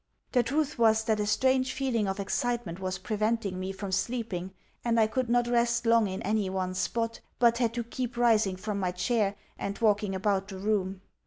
The truth was that a strange feeling of excitement was preventing me from sleeping, and I could not rest long in any one spot, but had to keep rising from my chair, and walking about the room.